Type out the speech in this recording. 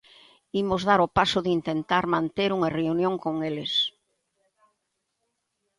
Imos dar o paso de intentar manter unha reunión con eles.